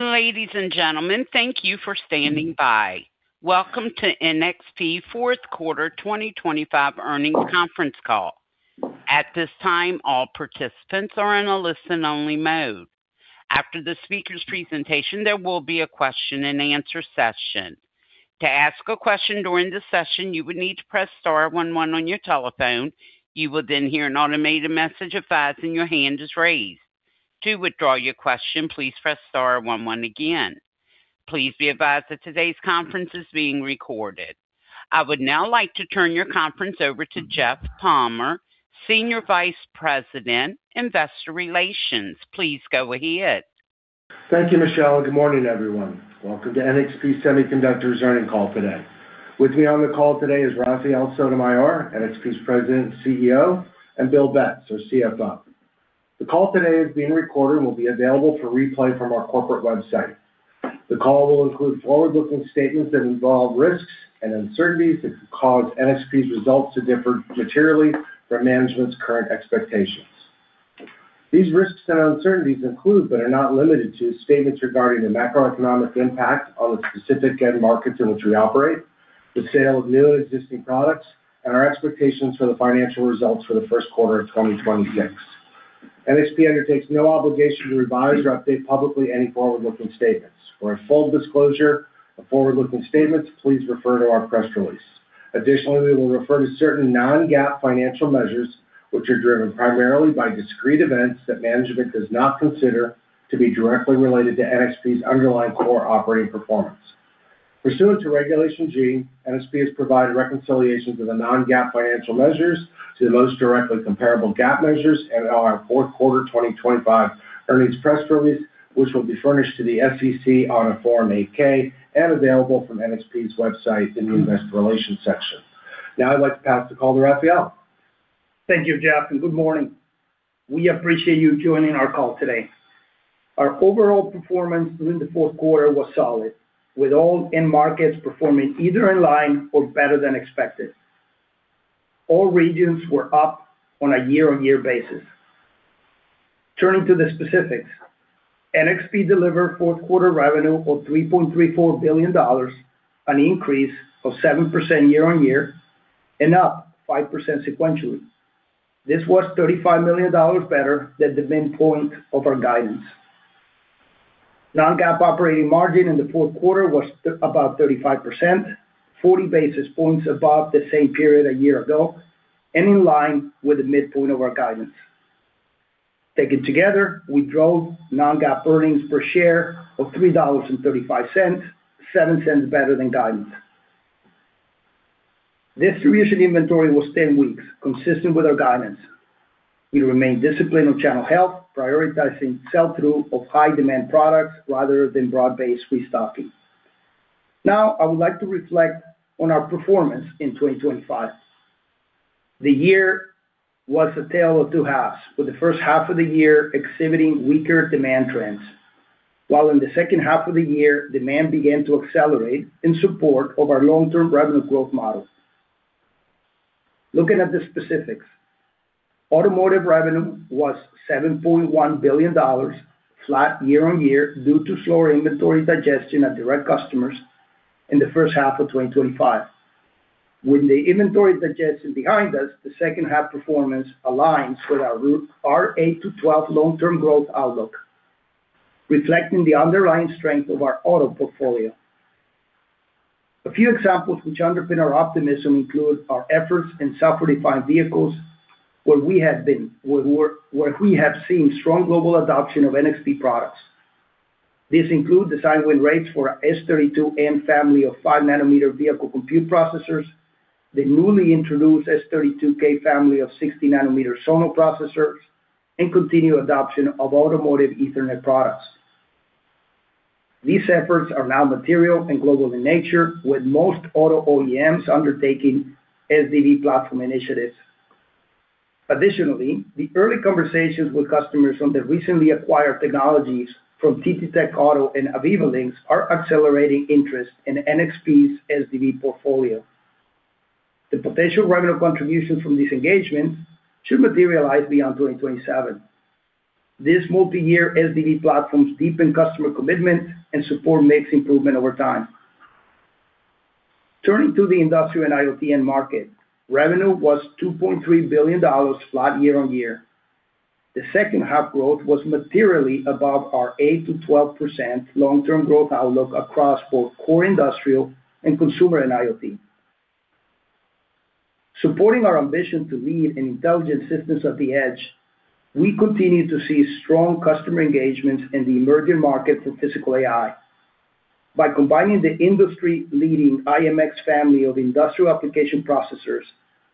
Ladies and gentlemen, thank you for standing by. Welcome to NXP fourth quarter 2025 earnings conference call. At this time, all participants are in a listen-only mode. After the speaker's presentation, there will be a question-and-answer session. To ask a question during the session, you would need to press star one one on your telephone. You will then hear an automated message advising your hand is raised. To withdraw your question, please press star one one again. Please be advised that today's conference is being recorded. I would now like to turn your conference over to Jeff Palmer, Senior Vice President, Investor Relations. Please go ahead. Thank you, Michelle, and good morning, everyone. Welcome to NXP Semiconductors earnings call today. With me on the call today is Rafael Sotomayor, NXP's President and CEO, and Bill Betz, our CFO. The call today is being recorded and will be available for replay from our corporate website. The call will include forward-looking statements that involve risks and uncertainties that could cause NXP's results to differ materially from management's current expectations. These risks and uncertainties include, but are not limited to, statements regarding the macroeconomic impact on the specific end markets in which we operate, the sale of new and existing products, and our expectations for the financial results for the first quarter of 2026. NXP undertakes no obligation to revise or update publicly any forward-looking statements. For a full disclosure of forward-looking statements, please refer to our press release. Additionally, we will refer to certain non-GAAP financial measures, which are driven primarily by discrete events that management does not consider to be directly related to NXP's underlying core operating performance. Pursuant to Regulation G, NXP has provided reconciliation to the non-GAAP financial measures to the most directly comparable GAAP measures in our fourth quarter 2025 earnings press release, which will be furnished to the SEC on a Form 8-K and available from NXP's website in the investor relations section. Now, I'd like to pass the call to Rafael. Thank you, Jeff, and good morning. We appreciate you joining our call today. Our overall performance during the fourth quarter was solid, with all end markets performing either in line or better than expected. All regions were up on a year-on-year basis. Turning to the specifics, NXP delivered fourth quarter revenue of $3.34 billion, an increase of 7% year-on-year and up 5% sequentially. This was $35 million better than the midpoint of our guidance. Non-GAAP operating margin in the fourth quarter was about 35%, 40 basis points above the same period a year ago and in line with the midpoint of our guidance. Taken together, we drove non-GAAP earnings per share of $3.35, $0.07 better than guidance. Distribution inventory was 10 weeks, consistent with our guidance. We remain disciplined on channel health, prioritizing sell-through of high-demand products rather than broad-based restocking. Now, I would like to reflect on our performance in 2025. The year was a tale of two halves, with the first half of the year exhibiting weaker demand trends, while in the second half of the year, demand began to accelerate in support of our long-term revenue growth model. Looking at the specifics, automotive revenue was $7.1 billion, flat year-on-year, due to slower inventory digestion at direct customers in the first half of 2025. With the inventory digestion behind us, the second half performance aligns with our eight to 12 long-term growth outlook, reflecting the underlying strength of our auto portfolio. A few examples which underpin our optimism include our efforts in software-defined vehicles, where we have seen strong global adoption of NXP products. These include design win rates for our S32M family of 5-nanometer vehicle compute processors, the newly introduced S32K family of 16-nanometer zonal processors, and continued adoption of automotive Ethernet products. These efforts are now material and global in nature, with most auto OEMs undertaking SDV platform initiatives. Additionally, the early conversations with customers on the recently acquired technologies from TTTech Auto and Aviva Links are accelerating interest in NXP's SDV portfolio. The potential revenue contribution from this engagement should materialize beyond 2027. This multiyear SDV platforms deepen customer commitment and support mix improvement over time. Turning to the industrial and IoT end market, revenue was $2.3 billion, flat year-on-year. The second half growth was materially above our 8%-12% long-term growth outlook across both core industrial and consumer and IoT. Supporting our ambition to lead in intelligent systems at the edge, we continue to see strong customer engagement in the emerging markets and physical AI. By combining the industry-leading i.MX family of industrial application processors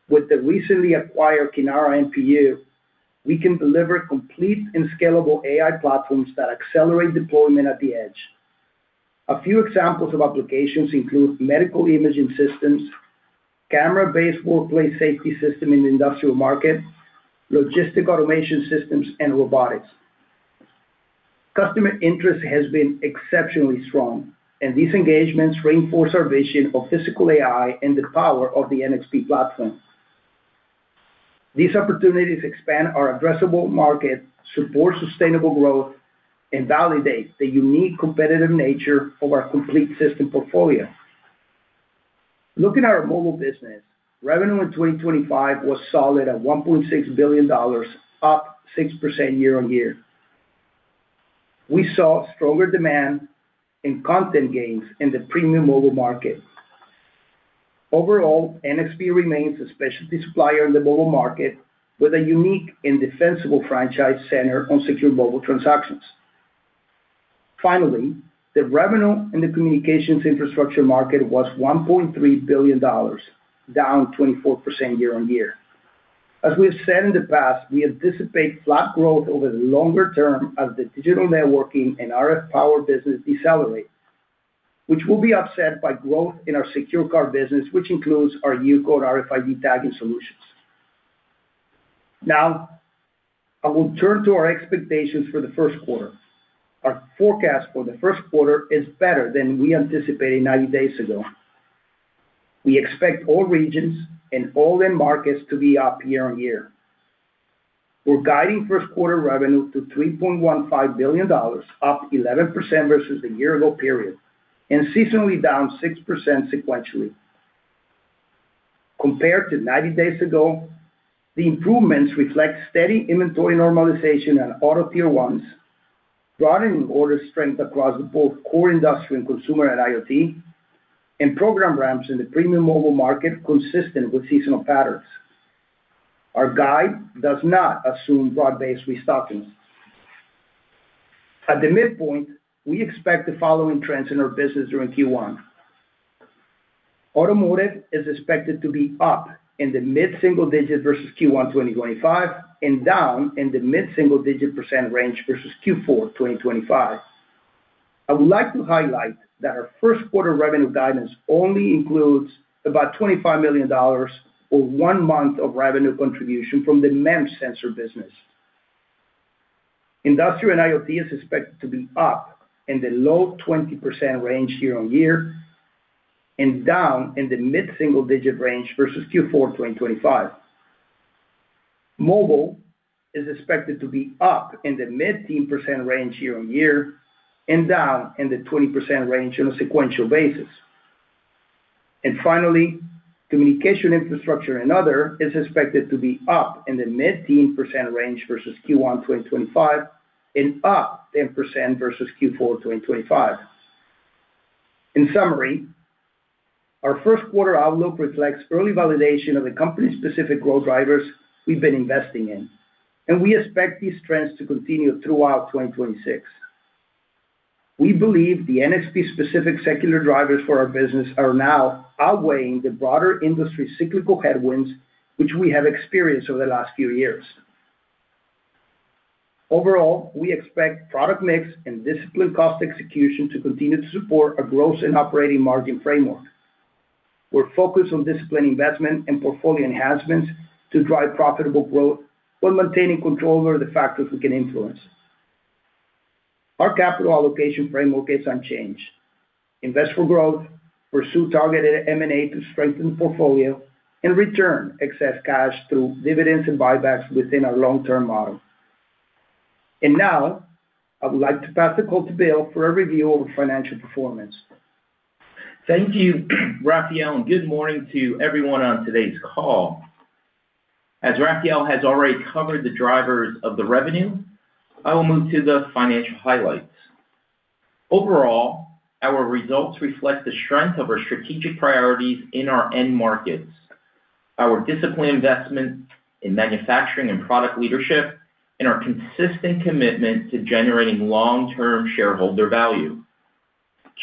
with the recently acquired Kinara NPU, we can deliver complete and scalable AI platforms that accelerate deployment at the edge. A few examples of applications include medical imaging systems, camera-based workplace safety system in the industrial market, logistic automation systems, and robotics. Customer interest has been exceptionally strong, and these engagements reinforce our vision of physical AI and the power of the NXP platform. These opportunities expand our addressable market, support sustainable growth, and validate the unique competitive nature of our complete system portfolio. Looking at our mobile business, revenue in 2025 was solid at $1.6 billion, up 6% year-on-year. We saw stronger demand and content gains in the premium mobile market. Overall, NXP remains a specialty supplier in the mobile market, with a unique and defensible franchise center on secure mobile transactions. Finally, the revenue in the communications infrastructure market was $1.3 billion, down 24% year-on-year. As we have said in the past, we anticipate flat growth over the longer term as the Digital Networking and RF Power business decelerate, which will be offset by growth in our Secure Car business, which includes our UCODE RFID tagging solutions. Now, I will turn to our expectations for the first quarter. Our forecast for the first quarter is better than we anticipated 90 days ago. We expect all regions and all end markets to be up year-on-year. We're guiding first quarter revenue to $3.15 billion, up 11% versus the year-ago period, and seasonally down 6% sequentially. Compared to 90 days ago, the improvements reflect steady inventory normalization and auto tier ones, broadening order strength across both core industrial and consumer and IoT, and program ramps in the premium mobile market, consistent with seasonal patterns. Our guide does not assume broad-based restocking. At the midpoint, we expect the following trends in our business during Q1: Automotive is expected to be up in the mid-single digit versus Q1 2025, and down in the mid-single digit percent range versus Q4 2025. I would like to highlight that our first quarter revenue guidance only includes about $25 million or one month of revenue contribution from the MEMS sensor business. Industrial and IoT is expected to be up in the low-20% range year-on-year and down in the mid-single-digit range versus Q4 2025. Mobile is expected to be up in the mid-teen percent range year-on-year and down in the 20% range on a sequential basis. Finally, communication infrastructure and other is expected to be up in the mid-teen percent range versus Q1 2025, and up 10% versus Q4 2025. In summary, our first quarter outlook reflects early validation of the company's specific growth drivers we've been investing in, and we expect these trends to continue throughout 2026. We believe the NXP-specific secular drivers for our business are now outweighing the broader industry cyclical headwinds, which we have experienced over the last few years. Overall, we expect product mix and disciplined cost execution to continue to support a gross and operating margin framework. We're focused on disciplined investment and portfolio enhancements to drive profitable growth while maintaining control over the factors we can influence. Our capital allocation framework is unchanged. Invest for growth, pursue targeted M&A to strengthen the portfolio, and return excess cash through dividends and buybacks within our long-term model. Now, I would like to pass the call to Bill for a review of the financial performance. Thank you, Rafael, and good morning to everyone on today's call. As Rafael has already covered the drivers of the revenue, I will move to the financial highlights. Overall, our results reflect the strength of our strategic priorities in our end markets, our disciplined investment in manufacturing and product leadership, and our consistent commitment to generating long-term shareholder value.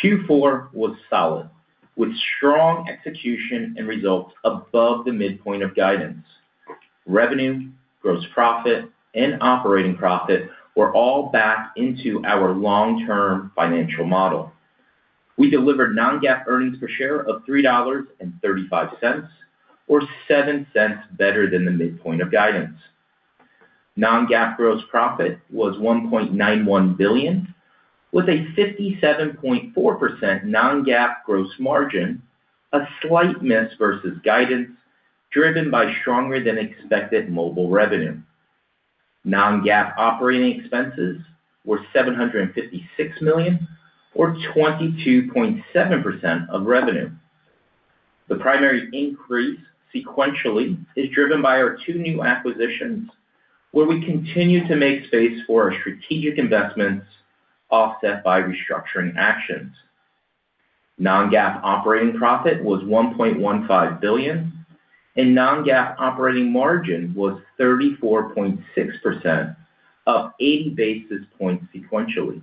Q4 was solid, with strong execution and results above the midpoint of guidance. Revenue, gross profit, and operating profit were all back into our long-term financial model. We delivered non-GAAP earnings per share of $3.35, or $0.07 better than the midpoint of guidance. Non-GAAP gross profit was $1.91 billion, with a 57.4% non-GAAP gross margin, a slight miss versus guidance, driven by stronger-than-expected mobile revenue. Non-GAAP operating expenses were $756 million, or 22.7% of revenue. The primary increase sequentially is driven by our two new acquisitions, where we continue to make space for our strategic investments, offset by restructuring actions. Non-GAAP operating profit was $1.15 billion, and non-GAAP operating margin was 34.6%, up 80 basis points sequentially.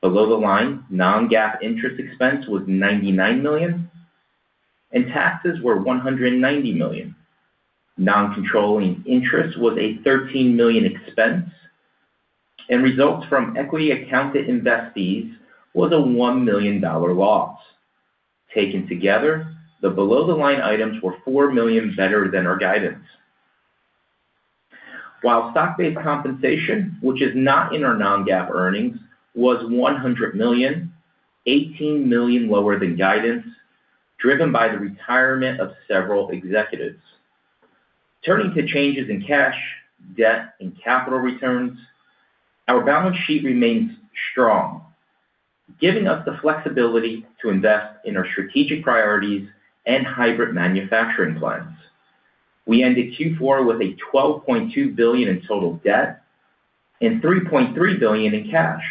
Below the line, non-GAAP interest expense was $99 million, and taxes were $190 million. Non-controlling interest was a $13 million expense, and results from equity accounted investee, was a $1 million loss. Taken together, the below-the-line items were $4 million better than our guidance. While stock-based compensation, which is not in our non-GAAP earnings, was $100 million, $18 million lower than guidance, driven by the retirement of several executives. Turning to changes in cash, debt, and capital returns, our balance sheet remains strong, giving us the flexibility to invest in our strategic priorities and hybrid manufacturing plans. We ended Q4 with $12.2 billion in total debt and $3.3 billion in cash,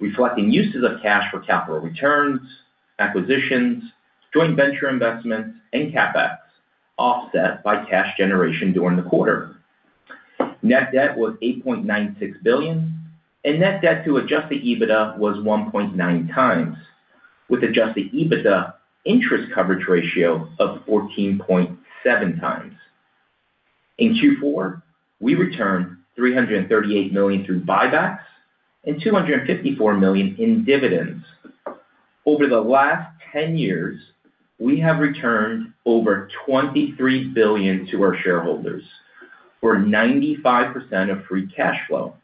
reflecting uses of cash for capital returns, acquisitions, joint venture investments, and CapEx, offset by cash generation during the quarter. Net debt was $8.96 billion, and net debt to Adjusted EBITDA was 1.9x, with Adjusted EBITDA interest coverage ratio of 14.7x. In Q4, we returned $338 million through buybacks and $254 million in dividends. Over the last ten years, we have returned over $23 billion to our shareholders, for 95% of free cash flow,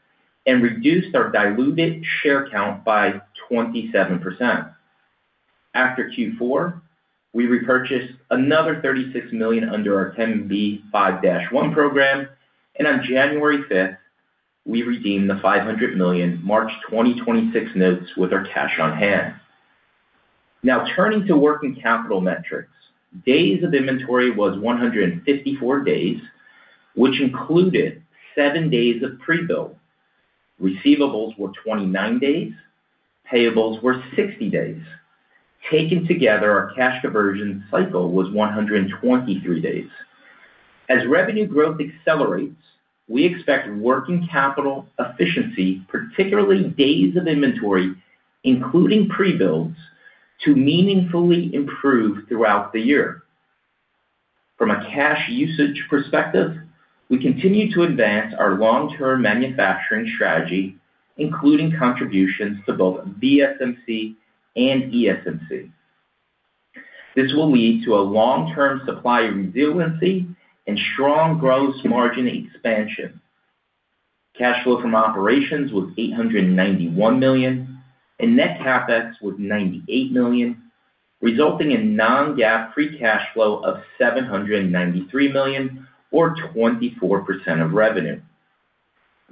and reduced our diluted share count by 27%. After Q4, we repurchased another $36 million under our 10b5-1 program, and on January 5th, we redeemed the $500 million March 2026 notes with our cash on hand. Now, turning to working capital metrics. Days of inventory was 154 days, which included seven days of pre-build. Receivables were 29 days, payables were 60 days. Taken together, our cash conversion cycle was 123 days. As revenue growth accelerates, we expect working capital efficiency, particularly days of inventory, including pre-builds, to meaningfully improve throughout the year. From a cash usage perspective, we continue to advance our long-term manufacturing strategy, including contributions to both VSMC and ESMC. This will lead to a long-term supply resiliency and strong gross margin expansion. Cash flow from operations was $891 million, and net CapEx was $98 million, resulting in non-GAAP free cash flow of $793 million, or 24% of revenue.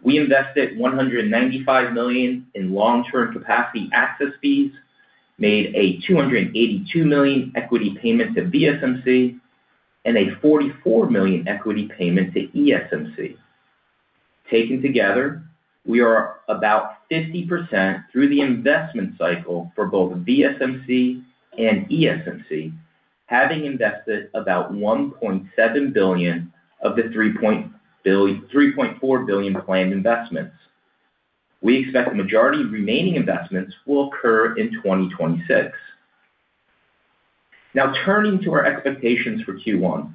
We invested $195 million in long-term capacity access fees, made a $282 million equity payment to VSMC, and a $44 million equity payment to ESMC. Taken together, we are about 50% through the investment cycle for both VSMC and ESMC, having invested about $1.7 billion of the $3.4 billion planned investments. We expect the majority of remaining investments will occur in 2026. Now, turning to our expectations for Q1.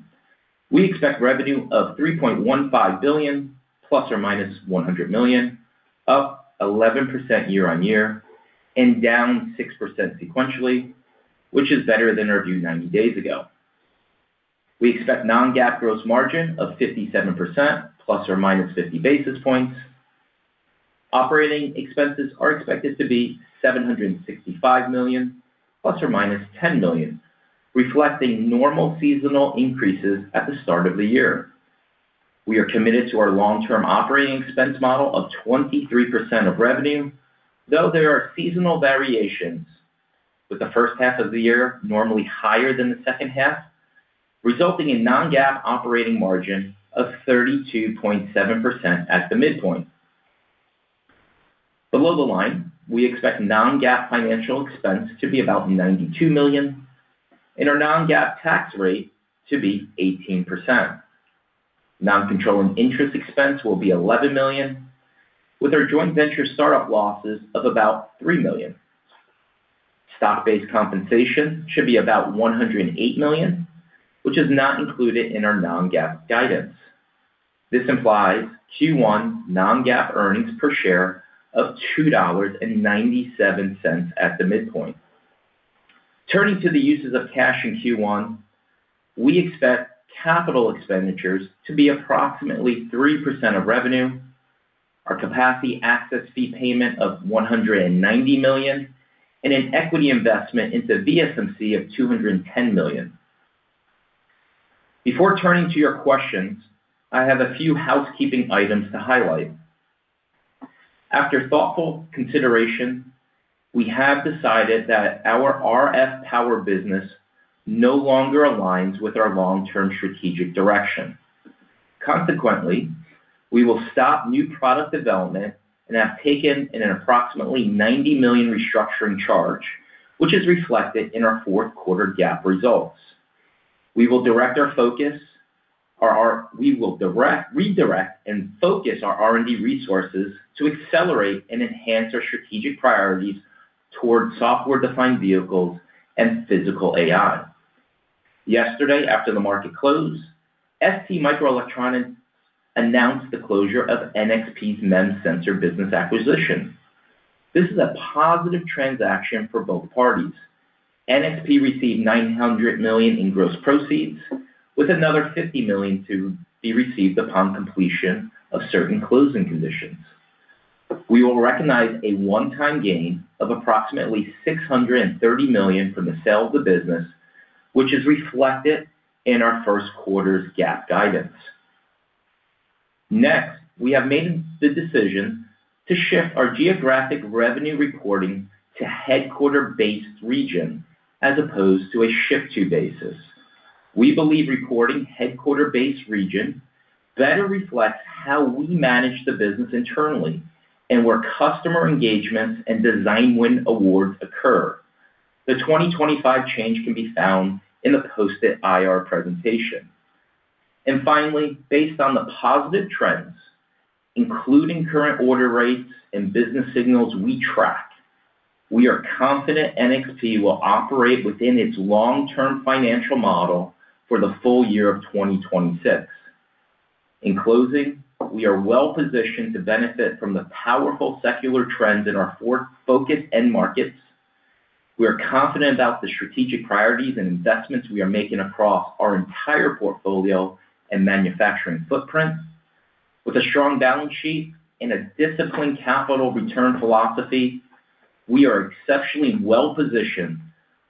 We expect revenue of $3.15 billion ±$100 million, up 11% year-on-year and down 6% sequentially, which is better than our view 90 days ago. We expect non-GAAP gross margin of 57% ±50 basis points. Operating expenses are expected to be $765 million ±$10 million, reflecting normal seasonal increases at the start of the year. We are committed to our long-term operating expense model of 23% of revenue, though there are seasonal variations, with the first half of the year normally higher than the second half, resulting in non-GAAP operating margin of 32.7% at the midpoint. Below the line, we expect non-GAAP financial expense to be about $92 million and our non-GAAP tax rate to be 18%. Non-controlling interest expense will be $11 million, with our joint venture startup losses of about $3 million. Stock-based compensation should be about $108 million, which is not included in our non-GAAP guidance. This implies Q1 non-GAAP earnings per share of $2.97 at the midpoint. Turning to the uses of cash in Q1, we expect capital expenditures to be approximately 3% of revenue, our capacity access fee payment of $190 million, and an equity investment into VSMC of $210 million. Before turning to your questions, I have a few housekeeping items to highlight. After thoughtful consideration, we have decided that our RF Power business no longer aligns with our long-term strategic direction. Consequently, we will stop new product development and have taken an approximately $90 million restructuring charge, which is reflected in our fourth quarter GAAP results. We will redirect and focus our R&D resources to accelerate and enhance our strategic priorities towards software-defined vehicles and physical AI. Yesterday, after the market closed, STMicroelectronics announced the closure of NXP's MEMS sensor business acquisition. This is a positive transaction for both parties. NXP received $900 million in gross proceeds, with another $50 million to be received upon completion of certain closing conditions. We will recognize a one-time gain of approximately $630 million from the sale of the business, which is reflected in our first quarter's GAAP guidance. Next, we have made the decision to shift our geographic revenue reporting to headquarters-based region as opposed to a ship-to basis. We believe reporting headquarters-based region better reflects how we manage the business internally and where customer engagements and design win awards occur. The 2025 change can be found in the posted IR presentation. And finally, based on the positive trends, including current order rates and business signals we track, we are confident NXP will operate within its long-term financial model for the full year of 2026. In closing, we are well positioned to benefit from the powerful secular trends in our four focus end markets. We are confident about the strategic priorities and investments we are making across our entire portfolio and manufacturing footprint. With a strong balance sheet and a disciplined capital return philosophy, we are exceptionally well positioned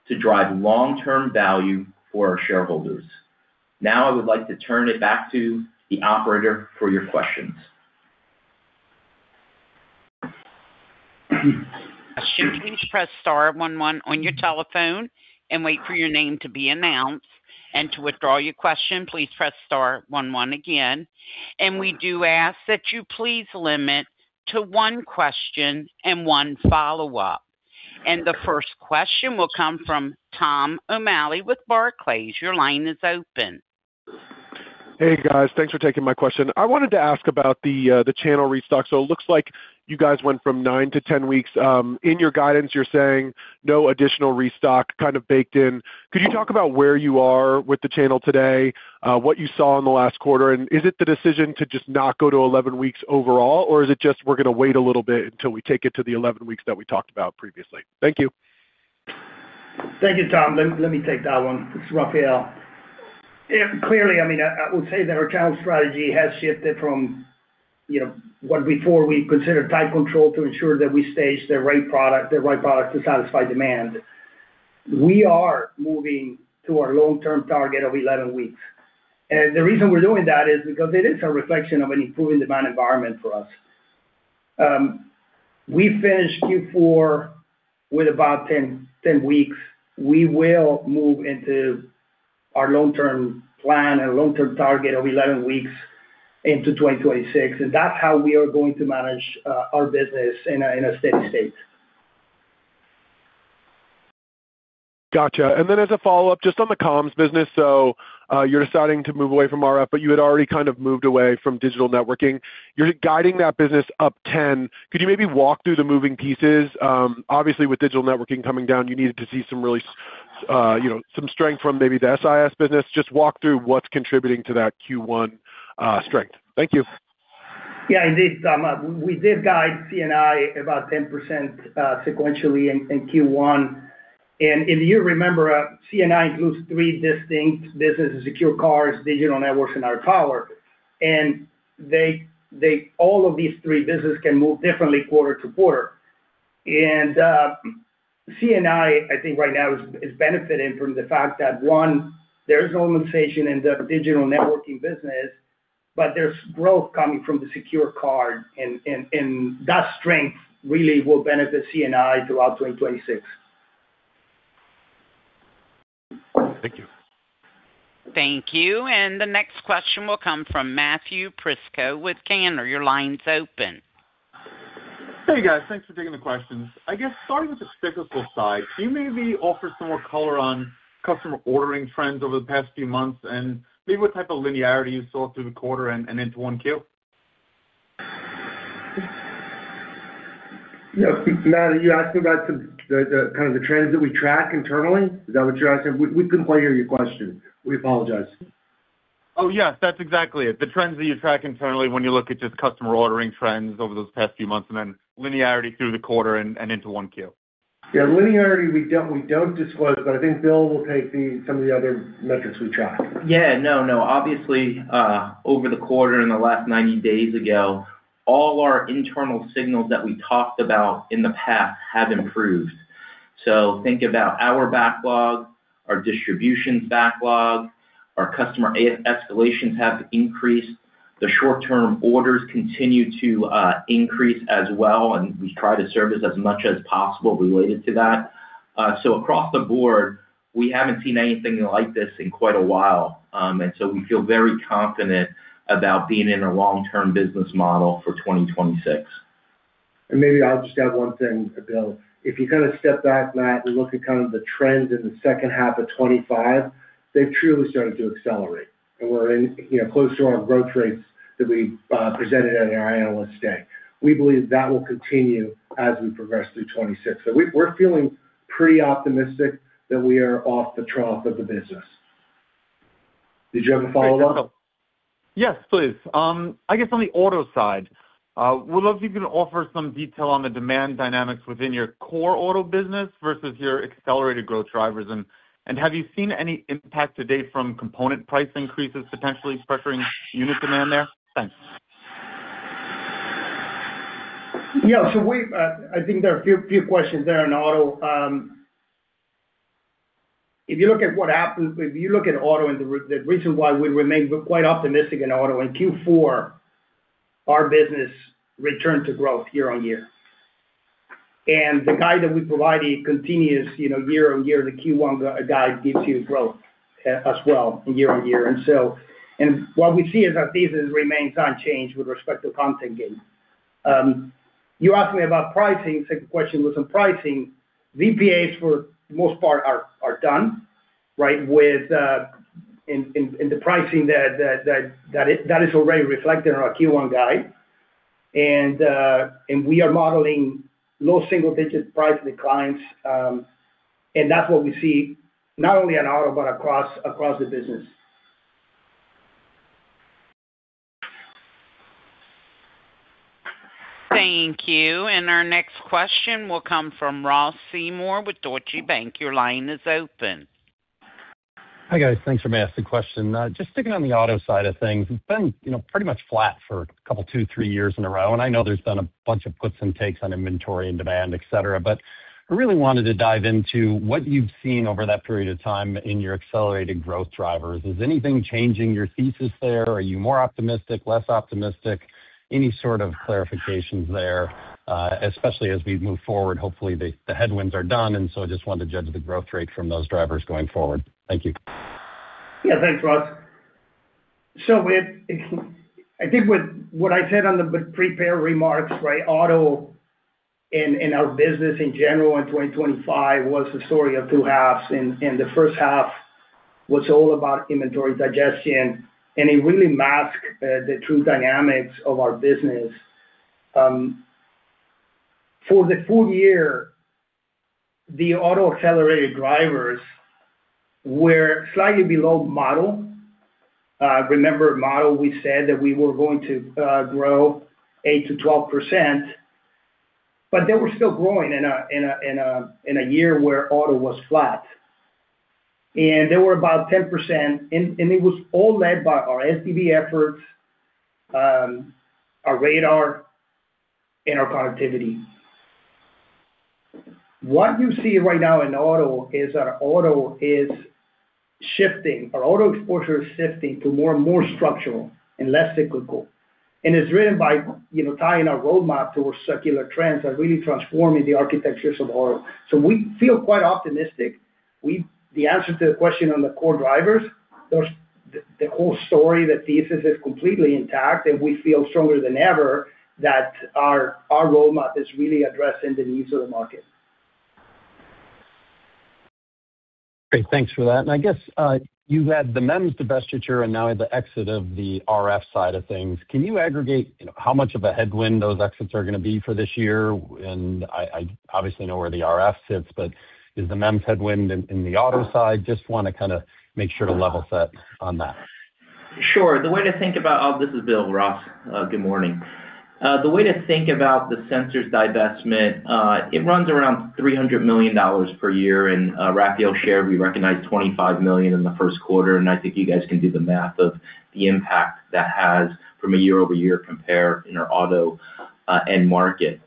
to drive long-term value for our shareholders. Now, I would like to turn it back to the operator for your questions. To please press star one one on your telephone and wait for your name to be announced, and to withdraw your question, please press star one one again. We do ask that you please limit to one question and one follow-up. The first question will come from Tom O'Malley with Barclays. Your line is open. Hey, guys. Thanks for taking my question. I wanted to ask about the channel restock. So it looks like you guys went from nine to 10 weeks. In your guidance, you're saying no additional restock, kind of, baked in. Could you talk about where you are with the channel today, what you saw in the last quarter? And is it the decision to just not go to 11 weeks overall? Or is it just, we're gonna wait a little bit until we take it to the 11 weeks that we talked about previously? Thank you. Thank you, Tom. Let me take that one. It's Rafael. Yeah, clearly, I mean, I would say that our account strategy has shifted from, you know, what before we considered tight control to ensure that we staged the right product, the right product to satisfy demand. We are moving to our long-term target of 11 weeks, and the reason we're doing that is because it is a reflection of an improving demand environment for us. We finished Q4 with about 10 weeks. We will move into our long-term plan and long-term target of 11 weeks into 2026, and that's how we are going to manage our business in a steady state. Gotcha. Then as a follow-up, just on the comms business, so, you're deciding to move away from RF, but you had already kind of moved away from Digital Networking. You're guiding that business up 10%. Could you maybe walk through the moving pieces? Obviously, with Digital Networking coming down, you needed to see some really, you know, some strength from maybe the SIS business. Just walk through what's contributing to that Q1 strength. Thank you. Yeah, indeed, Tom. We did guide C&I about 10%, sequentially in Q1. And if you remember, C&I includes three distinct businesses: Secure Cars, Digital Networks, and RF Power. And they, they all of these three businesses can move differently quarter to quarter. And C&I, I think, right now is benefiting from the fact that, one, there's normalization in the Digital Networking business, but there's growth coming from the secure car, and, and that strength really will benefit C&I throughout 2026. Thank you. Thank you. And the next question will come from Matthew Prisco with Cantor. Your line's open. Hey, guys. Thanks for taking the questions. I guess starting with the cyclical side, can you maybe offer some more color on customer ordering trends over the past few months, and maybe what type of linearity you saw through the quarter and into 1Q? Yeah, Matt, are you asking about the kind of trends that we track internally? Is that what you're asking? We couldn't quite hear your question. We apologize. Oh, yes, that's exactly it. The trends that you track internally when you look at just customer ordering trends over those past few months, and then linearity through the quarter and into 1Q. Yeah, linearity, we don't, we don't disclose, but I think Bill will take some of the other metrics we track. Yeah, no, no. Obviously, over the quarter in the last 90 days ago, all our internal signals that we talked about in the past have improved. So think about our backlog, our distributions backlog, our customer escalations have increased. The short-term orders continue to increase as well, and we try to service as much as possible related to that. So across the board, we haven't seen anything like this in quite a while, and so we feel very confident about being in a long-term business model for 2026. And maybe I'll just add one thing, Bill. If you kind of step back, Matt, and look at kind of the trends in the second half of 2025, they've truly started to accelerate, and we're in, you know, close to our growth rates that we presented at our Analyst Day. We believe that will continue as we progress through 2026. So we're feeling pretty optimistic that we are off the trough of the business.... Did you have a follow up? Yes, please. I guess on the auto side, would love if you can offer some detail on the demand dynamics within your core auto business versus your accelerated growth drivers. And have you seen any impact to date from component price increases, potentially pressuring unit demand there? Thanks. Yeah, so we, I think there are a few questions there on auto. If you look at what happens, if you look at auto and the reason why we remain quite optimistic in auto, in Q4, our business returned to growth year-on-year. And the guide that we provided continues, you know, year-on-year, the Q1 guide gives you growth, as well, year-on-year. And so, and what we see is that business remains unchanged with respect to content gains. You asked me about pricing. Second question was on pricing. VPAs for the most part are done, right? With, in the pricing that is already reflected in our Q1 guide. We are modeling low single digit price declines, and that's what we see not only in auto but across the business. Thank you. And our next question will come from Ross Seymore with Deutsche Bank. Your line is open. Hi, guys. Thanks for asking the question. Just sticking on the auto side of things, it's been, you know, pretty much flat for a couple, two, three years in a row. I know there's been a bunch of puts and takes on inventory and demand, et cetera, but I really wanted to dive into what you've seen over that period of time in your accelerated growth drivers. Is anything changing your thesis there? Are you more optimistic, less optimistic? Any sort of clarifications there, especially as we move forward. Hopefully, the headwinds are done, and so I just wanted to judge the growth rate from those drivers going forward. Thank you. Yeah, thanks, Ross. So I think what I said on the prepared remarks, right, auto in our business in general in 2025 was the story of two halves, and the first half was all about inventory digestion, and it really masked the true dynamics of our business. For the full year, the auto accelerated drivers were slightly below model. Remember model, we said that we were going to grow 8%-12%, but they were still growing in a year where auto was flat. And they were about 10%, and it was all led by our SDV efforts, our radar and our productivity. What you see right now in auto is our auto is shifting. Our auto exposure is shifting to more and more structural and less cyclical, and it's driven by, you know, tying our roadmap to a secular trends are really transforming the architectures of auto. So we feel quite optimistic. The answer to the question on the core drivers, there's the, the whole story, the thesis is completely intact, and we feel stronger than ever that our, our roadmap is really addressing the needs of the market. Great, thanks for that. And I guess, you had the MEMS divestiture and now the exit of the RF side of things. Can you aggregate, you know, how much of a headwind those exits are gonna be for this year? And I obviously know where the RF sits, but is the MEMS headwind in the auto side? Just wanna kinda make sure to level set on that. Sure. The way to think about... Oh, this is Bill, Ross. Good morning. The way to think about the sensors divestment, it runs around $300 million per year, and, Rafael shared, we recognized $25 million in the first quarter, and I think you guys can do the math of the impact that has from a year-over-year compare in our auto end market.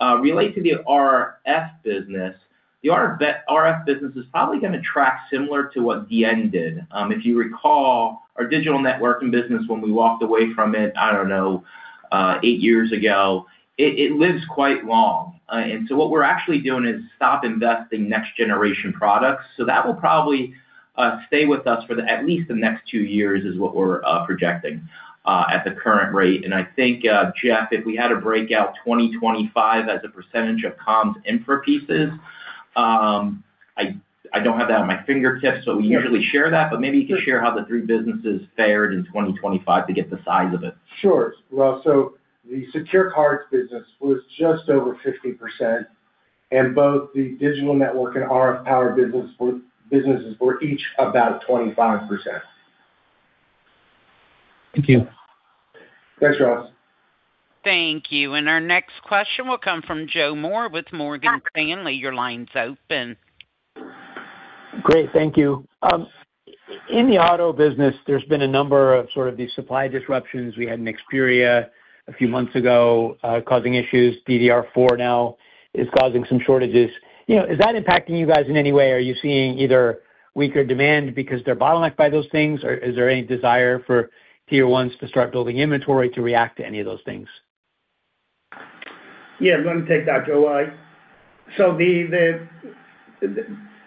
Related to the RF business, the RF business is probably gonna track similar to what DN did. If you recall, our Digital Networking business, when we walked away from it, I don't know, eight years ago, it lives quite long. And so what we're actually doing is stop investing next generation products. So that will probably stay with us for at least the next two years, is what we're projecting at the current rate. And I think, Jeff, if we had to break out 2025 as a percentage of comms infra pieces, I don't have that on my fingertips, so we can usually share that, but maybe you can share how the three businesses fared in 2025 to get the size of it. Sure. Well, so the Secure Car business was just over 50%, and both the Digital Network and RF Power businesses were each about 25%. Thank you. Thanks, Ross. Thank you. Our next question will come from Joe Moore with Morgan Stanley. Your line's open. Great. Thank you. In the auto business, there's been a number of sort of these supply disruptions. We had an Nexperia a few months ago causing issues. DDR4 now is causing some shortages. You know, is that impacting you guys in any way? Are you seeing either weaker demand because they're bottlenecked by those things, or is there any desire for tier ones to start building inventory to react to any of those things? Yeah, let me take that, Joe. So the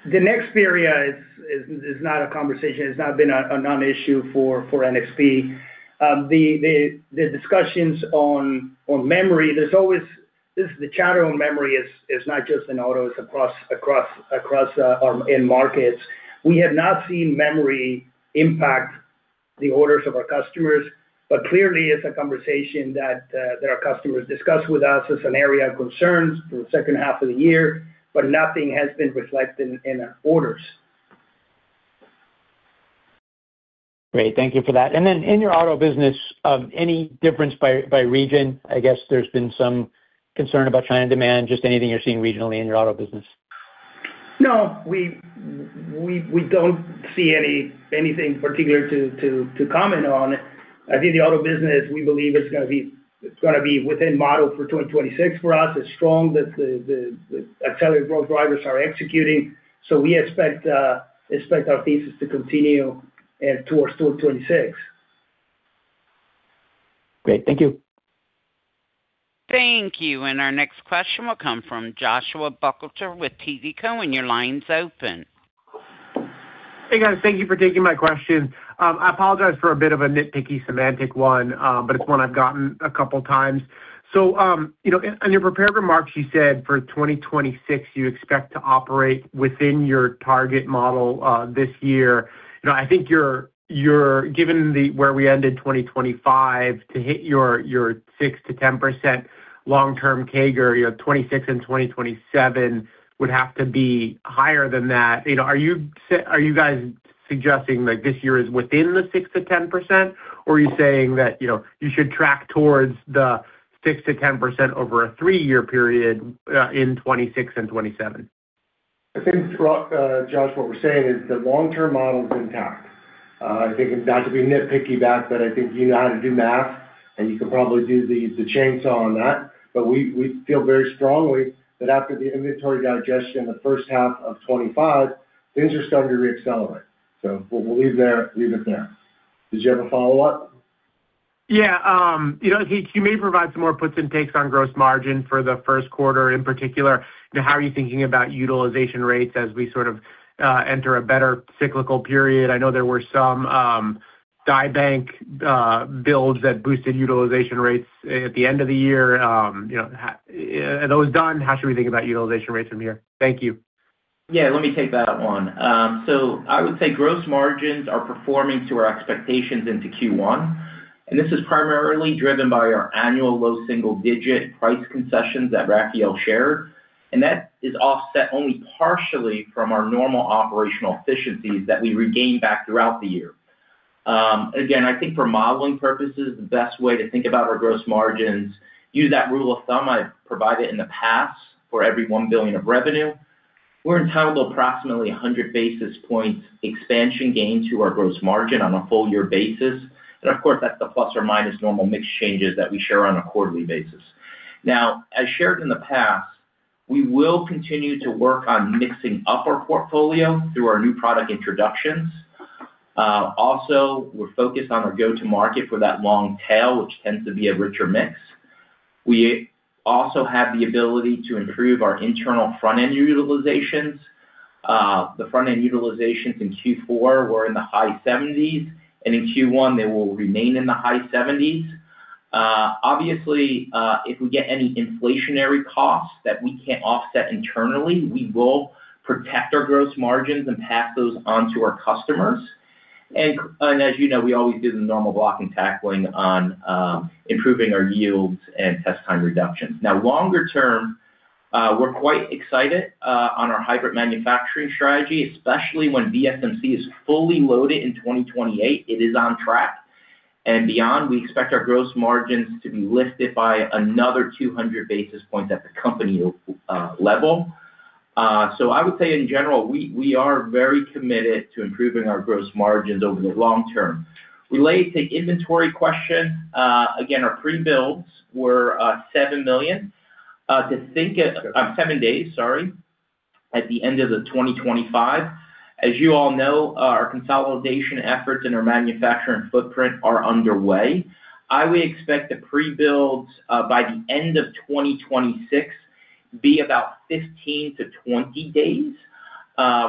Nexperia is not a conversation, it's not been a non-issue for NXP. The discussions on memory, there's always this chatter on memory is not just in autos, across our end markets. We have not seen memory impact the orders of our customers, but clearly it's a conversation that our customers discuss with us as an area of concerns for the second half of the year, but nothing has been reflected in our orders. Great. Thank you for that. And then in your auto business, any difference by region? I guess there's been some concern about China demand, just anything you're seeing regionally in your auto business. No, we don't see anything particular to comment on. I think the auto business, we believe it's gonna be within model for 2026 for us. It's strong, the accelerated growth drivers are executing, so we expect our thesis to continue towards 2026. Great. Thank you. Thank you. Our next question will come from Joshua Buchalter with TD Cowen. Your line's open. Hey, guys. Thank you for taking my question. I apologize for a bit of a nitpicky semantic one, but it's one I've gotten a couple times. So, you know, in your prepared remarks, you said for 2026, you expect to operate within your target model, this year. You know, I think you're given the way we ended 2025, to hit your 6%-10% long-term CAGR, you know, 2026 and 2027 would have to be higher than that. You know, are you guys suggesting like this year is within the 6%-10%? Or are you saying that, you know, you should track towards the 6%-10% over a three-year period, in 2026 and 2027? I think, Josh, what we're saying is the long-term model is intact. I think not to be nitpicky back, but I think you know how to do math, and you can probably do the, the chainsaw on that. But we, we feel very strongly that after the inventory digestion in the first half of 2025, things are starting to reaccelerate. So we'll, we'll leave there, leave it there. Did you have a follow-up? Yeah. You know, can you maybe provide some more puts and takes on gross margin for the first quarter, in particular? How are you thinking about utilization rates as we sort of enter a better cyclical period? I know there were some die bank builds that boosted utilization rates at the end of the year. You know, and those done, how should we think about utilization rates from here? Thank you. Yeah, let me take that one. So I would say gross margins are performing to our expectations into Q1, and this is primarily driven by our annual low single-digit price concessions that Rafael shared, and that is offset only partially from our normal operational efficiencies that we regained back throughout the year. Again, I think for modeling purposes, the best way to think about our gross margins, use that rule of thumb I provided in the past for every $1 billion of revenue. We're entitled to approximately 100 basis points expansion gain to our gross margin on a full-year basis, and of course, that's the plus or minus normal mix changes that we share on a quarterly basis. Now, as shared in the past, we will continue to work on mixing up our portfolio through our new product introductions. Also, we're focused on our go-to-market for that long tail, which tends to be a richer mix. We also have the ability to improve our internal front-end utilizations. The front-end utilizations in Q4 were in the high 70s, and in Q1, they will remain in the high 70s. Obviously, if we get any inflationary costs that we can't offset internally, we will protect our gross margins and pass those on to our customers. And, and as you know, we always do the normal block and tackling on, improving our yields and test time reductions. Now, longer term, we're quite excited, on our hybrid manufacturing strategy, especially when VSMC is fully loaded in 2028, it is on track. And beyond, we expect our gross margins to be lifted by another 200 basis points at the company, level. So I would say in general, we, we are very committed to improving our gross margins over the long term. Related to inventory question, again, our prebuilds were seven days, sorry, at the end of 2025. As you all know, our consolidation efforts and our manufacturing footprint are underway. I would expect the prebuilds, by the end of 2026, be about 15-20 days,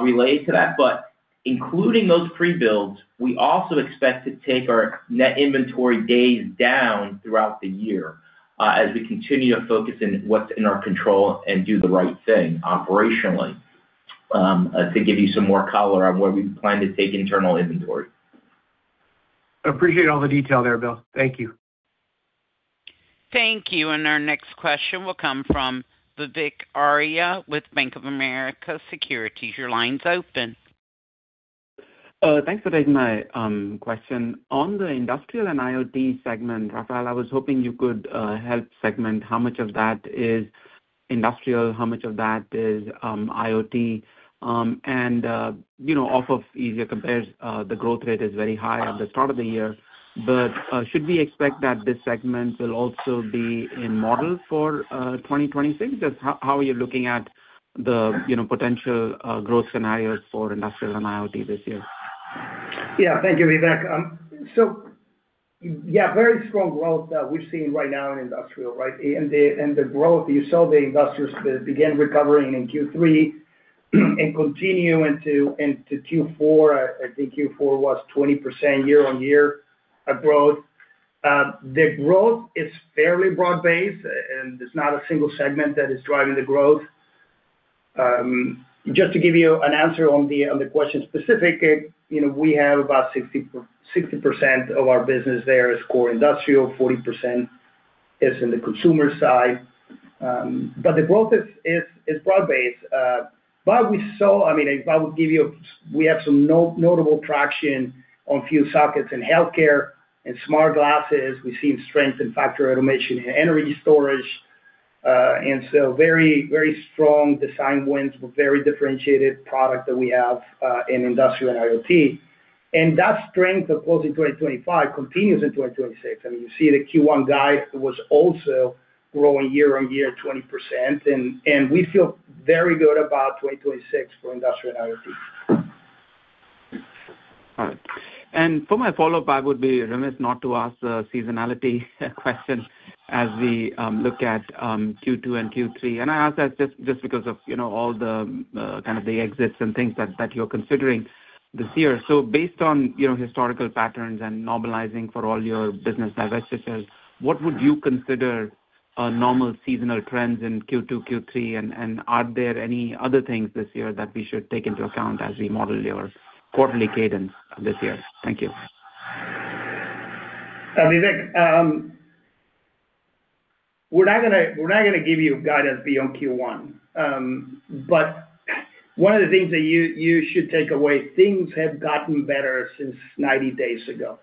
related to that. But including those prebuilds, we also expect to take our net inventory days down throughout the year, as we continue to focus in what's in our control and do the right thing operationally, to give you some more color on where we plan to take internal inventory. Appreciate all the detail there, Bill. Thank you. Thank you. Our next question will come from Vivek Arya with Bank of America Securities. Your line's open. Thanks for taking my question. On the industrial and IoT segment, Rafael, I was hoping you could help segment how much of that is industrial, how much of that is IoT? And you know, off of easier compares, the growth rate is very high at the start of the year. But should we expect that this segment will also be in model for 2026? Just how, how are you looking at the, you know, potential growth scenarios for industrial and IoT this year? Yeah. Thank you, Vivek. So yeah, very strong growth we've seen right now in industrial, right? And the, and the growth, you saw the inventories begin recovering in Q3, and continue into Q4. I think Q4 was 20% year-on-year of growth. The growth is fairly broad-based, and it's not a single segment that is driving the growth. Just to give you an answer on the, on the question specific, you know, we have about 60, 60% of our business there is core industrial, 40% is in the consumer side. But the growth is broad-based. But we saw, I mean, if I would give you, we have some notable traction on fuse sockets in healthcare and smart glasses. We've seen strength in factory automation and energy storage. And so very, very strong design wins with very differentiated product that we have in industrial and IoT. That strength of closing 2025 continues in 2026. I mean, you see the Q1 guide was also growing year-on-year 20%, and we feel very good about 2026 for industrial and IoT. All right. And for my follow-up, I would be remiss not to ask the seasonality question as we look at Q2 and Q3. And I ask that just, just because of, you know, all the kind of the exits and things that, that you're considering this year. So based on, you know, historical patterns and normalizing for all your business divestitures, what would you consider normal seasonal trends in Q2, Q3? And, and are there any other things this year that we should take into account as we model your quarterly cadence this year? Thank you. Vivek, we're not gonna, we're not gonna give you guidance beyond Q1. But one of the things that you should take away, things have gotten better since 90 days ago.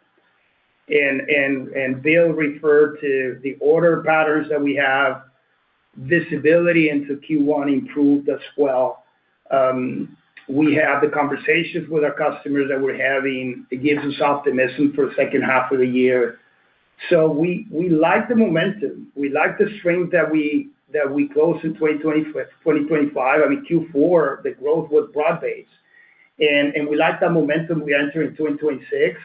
And they'll refer to the order patterns that we have, visibility into Q1 improved as well. We have the conversations with our customers that we're having. It gives us optimism for second half of the year. So we like the momentum. We like the strength that we go through 2025. I mean, Q4, the growth was broad-based, and we like that momentum we enter in 2026,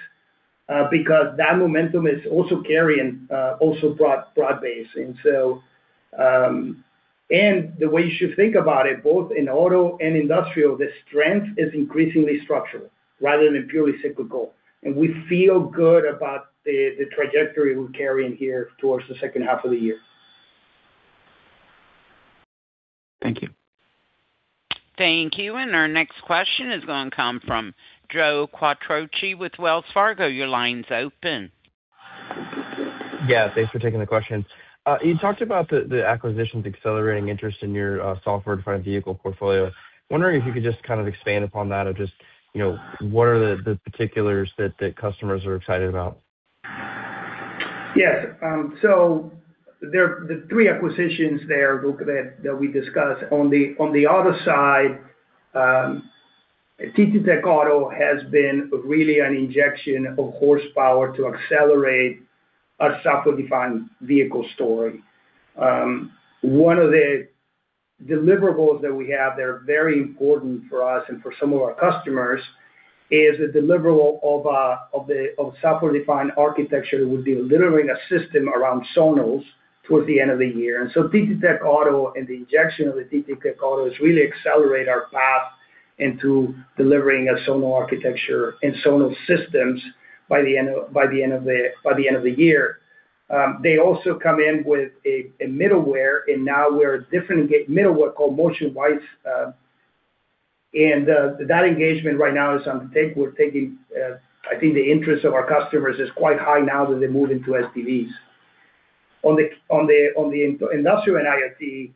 because that momentum is also carrying, also broad-based. And so, and the way you should think about it, both in auto and industrial, the strength is increasingly structural rather than purely cyclical. We feel good about the trajectory we're carrying here towards the second half of the year. Thank you. Thank you. Our next question is gonna come from Joe Quatrochi with Wells Fargo. Your line's open. Yeah, thanks for taking the question. You talked about the acquisitions accelerating interest in your software-defined vehicle portfolio. I'm wondering if you could just kind of expand upon that or just, you know, what are the particulars that customers are excited about? Yes. So, the three acquisitions there, look, that we discussed, on the auto side, TTTech Auto has been really an injection of horsepower to accelerate our software-defined vehicle story. One of the deliverables that we have that are very important for us and for some of our customers is a deliverable of the software-defined architecture that will be delivering a system around zonal towards the end of the year. And so TTTech Auto and the injection of the TTTech Auto has really accelerate our path into delivering a zonal architecture and zonal systems by the end of the year. They also come in with a middleware, and now we have a different middleware called MotionWise. And that engagement right now is on track. We're taking, I think the interest of our customers is quite high now that they're moving to SDVs. On the industrial and IoT,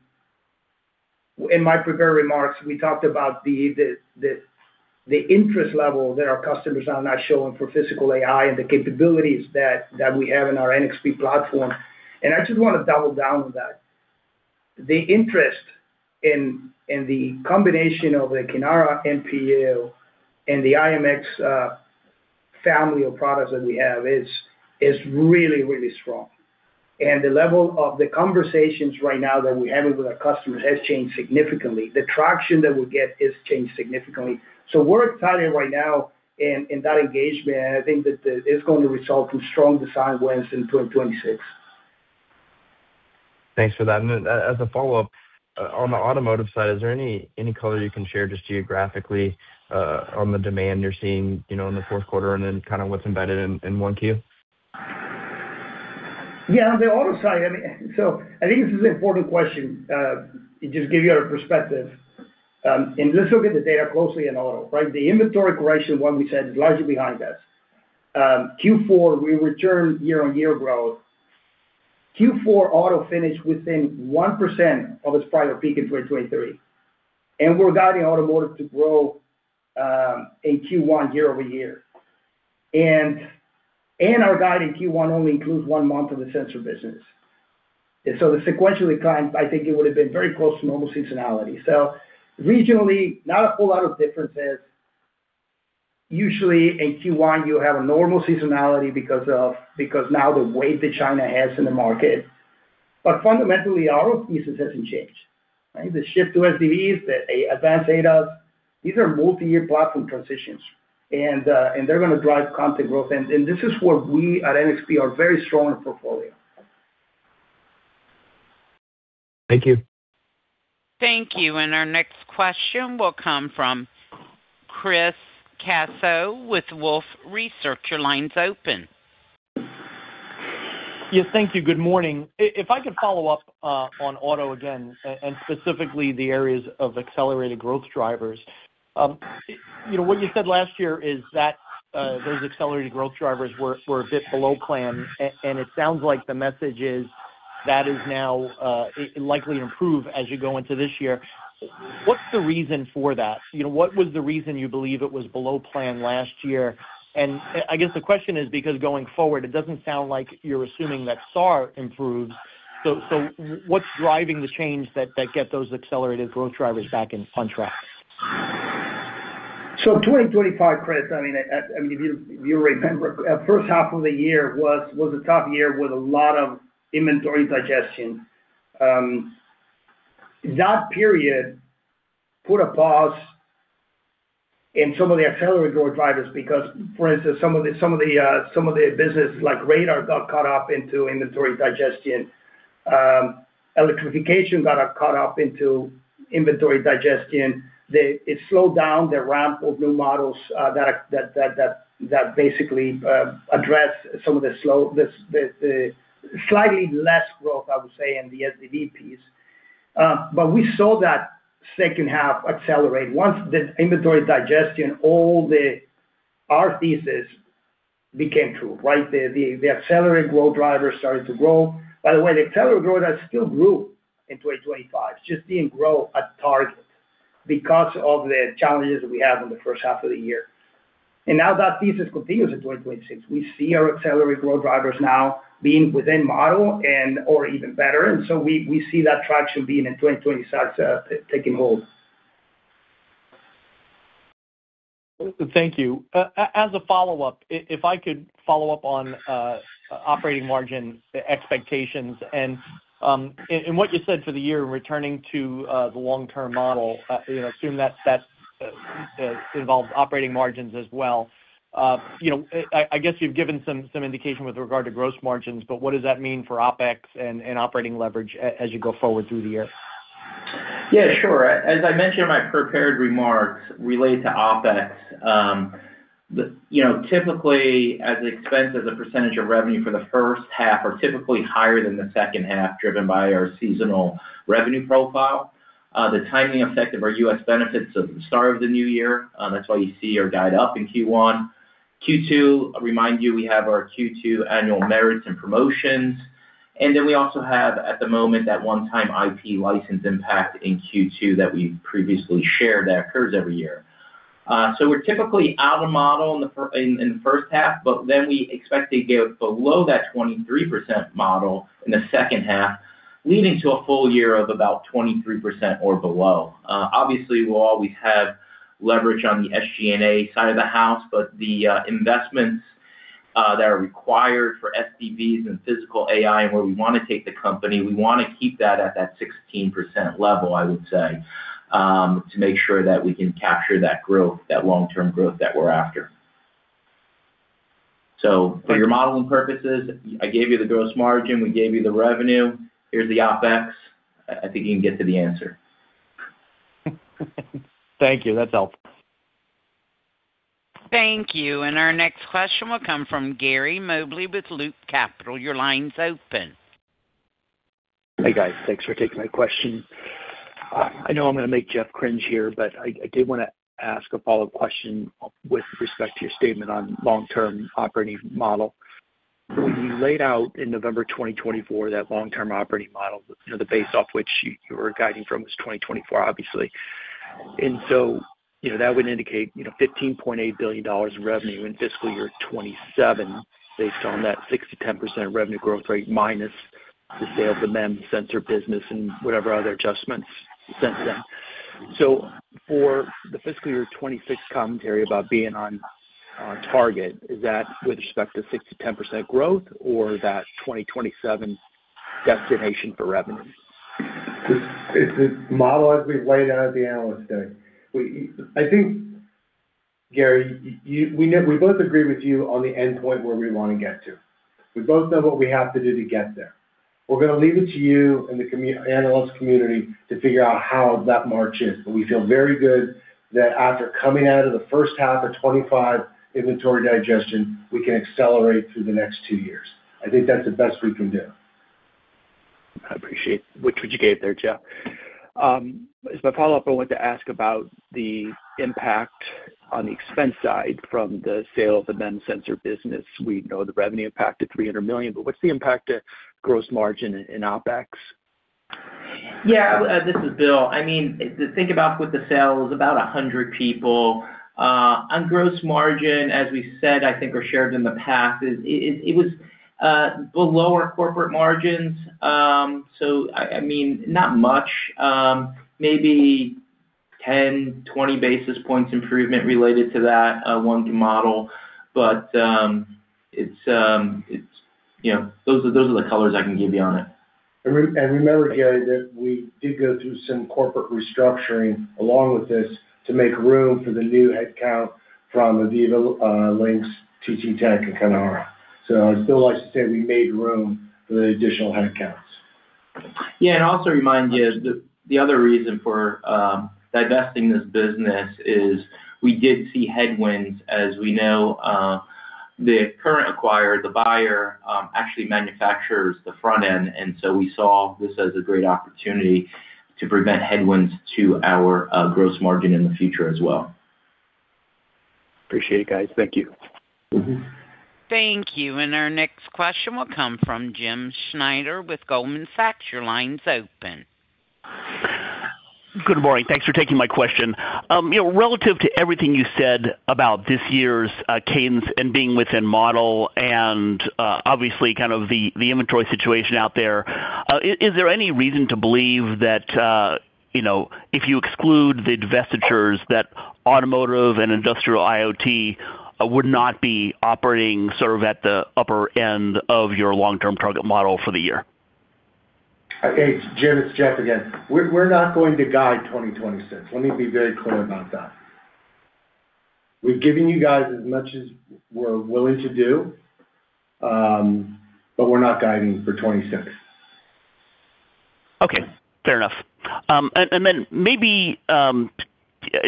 in my prepared remarks, we talked about the interest level that our customers are now showing for physical AI and the capabilities that we have in our NXP platform. And I just want to double down on that. The interest in the combination of the Kinara NPU and the i.MX family of products that we have is really, really strong. And the level of the conversations right now that we're having with our customers has changed significantly. The traction that we get has changed significantly. So we're excited right now in that engagement, and I think that it's going to result in strong design wins in 2026. Thanks for that. And then as a follow-up, on the automotive side, is there any color you can share just geographically on the demand you're seeing, you know, in the fourth quarter, and then kind of what's embedded in 1Q? Yeah, on the auto side, I mean, so I think this is an important question, just give you our perspective. And let's look at the data closely in auto, right? The inventory correction, one we said, is largely behind us. Q4, we returned year-on-year growth. Q4 auto finished within 1% of its prior peak in 2023, and we're guiding automotive to grow, in Q1 year-over-year. And, and our guide in Q1 only includes one month of the sensor business. And so the sequentially guide, I think it would have been very close to normal seasonality. So regionally, not a whole lot of differences. Usually, in Q1, you have a normal seasonality because of, because now the weight that China has in the market, but fundamentally, our thesis hasn't changed, right? The shift to SDVs, the advanced ADAS, these are multi-year platform transitions, and they're gonna drive content growth. And this is where we at NXP are very strong in portfolio. Thank you. Thank you. Our next question will come from Chris Caso with Wolfe Research. Your line's open. Yes, thank you. Good morning. If I could follow up on auto again, and specifically the areas of accelerated growth drivers. You know, what you said last year is that those accelerated growth drivers were a bit below plan, and it sounds like the message is that is now likely to improve as you go into this year. What's the reason for that? You know, what was the reason you believe it was below plan last year? And I guess the question is because going forward, it doesn't sound like you're assuming that SAAR improves. So what's driving the change that get those accelerated growth drivers back in on track? So 2025, Chris, I mean, if you remember, first half of the year was a tough year with a lot of inventory digestion. That period put a pause in some of the accelerated growth drivers, because, for instance, some of the business, like radar, got caught up into inventory digestion. Electrification got caught up into inventory digestion. It slowed down the ramp of new models that basically address some of the slightly less growth, I would say, in the SDV piece. But we saw that second half accelerate. Once the inventory digestion, all the, our thesis became true, right? The accelerated growth drivers started to grow. By the way, the accelerated growth still grew in 2025, just didn't grow at target because of the challenges we had in the first half of the year. And now that thesis continues in 2026. We see our accelerated growth drivers now being within model and, or even better, and so we, we see that traction being in 2026, taking hold. Thank you. As a follow-up, if I could follow up on operating margin expectations and what you said for the year, returning to the long-term model, you know, I guess you've given some indication with regard to gross margins, but what does that mean for OpEx and operating leverage as you go forward through the year? Yeah, sure. As I mentioned in my prepared remarks related to OpEx, you know, typically, as expense as a percentage of revenue for the first half are typically higher than the second half, driven by our seasonal revenue profile. The timing effect of our US benefits at the start of the new year, that's why you see our guide up in Q1. Q2, remind you, we have our Q2 annual merits and promotions. And then we also have, at the moment, that one-time IP license impact in Q2 that we previously shared that occurs every year. So we're typically out of model in the first half, but then we expect to get below that 23% model in the second half, leading to a full year of about 23% or below. Obviously, we'll always have leverage on the SG&A side of the house, but the investments that are required for SDVs and physical AI and where we want to take the company, we wanna keep that at that 16% level, I would say, to make sure that we can capture that growth, that long-term growth that we're after. So for your modeling purposes, I gave you the gross margin, we gave you the revenue, here's the OpEx. I, I think you can get to the answer. Thank you. That's helpful. Thank you. Our next question will come from Gary Mobley with Loop Capital. Your line's open. Hey, guys. Thanks for taking my question. I know I'm gonna make Jeff cringe here, but I did wanna ask a follow-up question with respect to your statement on long-term operating model. When you laid out in November 2024, that long-term operating model, you know, the base off which you were guiding from was 2024, obviously. And so, you know, that would indicate, you know, $15.8 billion in revenue in fiscal year 2027, based on that 6%-10% revenue growth rate, minus the sale of the MEMS sensor business and whatever other adjustments since then. So for the fiscal year 2026 commentary about being on target, is that with respect to 6%-10% growth or that 2027 destination for revenue? It's the model as we laid out at the Analyst Day. I think, Gary, you, we both agree with you on the endpoint where we want to get to. We both know what we have to do to get there. We're gonna leave it to you and the analyst community to figure out how that march is. But we feel very good that after coming out of the first half of 2025 inventory digestion, we can accelerate through the next two years. I think that's the best we can do. I appreciate what you gave there, Jeff. As my follow-up, I wanted to ask about the impact on the expense side from the sale of the MEMS sensor business. We know the revenue impact of $300 million, but what's the impact to gross margin in OpEx? Yeah, this is Bill. I mean, to think about with the sale is about 100 people. On gross margin, as we said, I think, or shared in the past, is it, it was, below our corporate margins. So I, I mean, not much, maybe 10, 20 basis points improvement related to that, one model. But, it's, it's, you know, those are, those are the colors I can give you on it. And remember, Gary, that we did go through some corporate restructuring along with this to make room for the new headcount from the Aviva Links, TTTech, and Kinara. So I'd still like to say we made room for the additional headcounts. Yeah, and also remind you the other reason for divesting this business is we did see headwinds, as we know, the current acquirer, the buyer, actually manufactures the front end, and so we saw this as a great opportunity to prevent headwinds to our gross margin in the future as well. Appreciate it, guys. Thank you. Mm-hmm. Thank you. Our next question will come from Jim Schneider with Goldman Sachs. Your line's open. Good morning. Thanks for taking my question. You know, relative to everything you said about this year's cadence and being within model and obviously, kind of the inventory situation out there, is there any reason to believe that, you know, if you exclude the divestitures, that automotive and industrial IoT would not be operating sort of at the upper end of your long-term target model for the year? Hey, Jim, it's Jeff again. We're not going to guide 2026. Let me be very clear about that. We've given you guys as much as we're willing to do, but we're not guiding for 2026. Okay, fair enough. And then maybe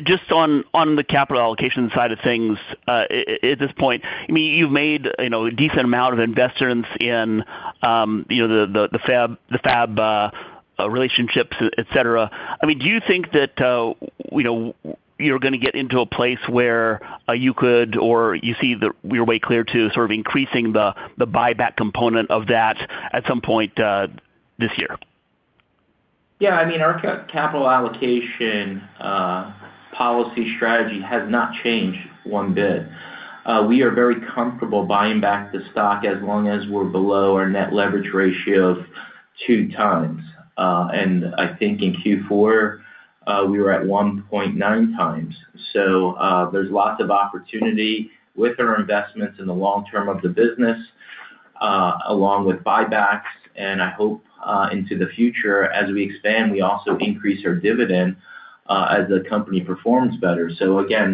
just on the capital allocation side of things, at this point, I mean, you've made, you know, a decent amount of investments in, you know, the fab relationships, et cetera. I mean, do you think that, you know, you're gonna get into a place where you could or you see your way clear to sort of increasing the buyback component of that at some point this year? Yeah, I mean, our capital allocation policy strategy has not changed one bit. We are very comfortable buying back the stock as long as we're below our net leverage ratio of 2x. And I think in Q4, we were at 1.9x. So, there's lots of opportunity with our investments in the long term of the business, along with buybacks, and I hope, into the future, as we expand, we also increase our dividend, as the company performs better. So again,